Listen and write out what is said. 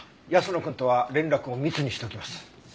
泰乃くんとは連絡を密にしておきます。